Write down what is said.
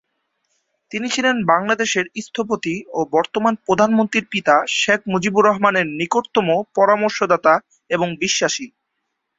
তিনি ছিলেন বাংলাদেশের স্থপতি ও বর্তমান প্রধানমন্ত্রীর পিতা শেখ মুজিবুর রহমানের নিকটতম পরামর্শদাতা এবং বিশ্বাসী।